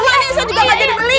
saya juga gak jadi beli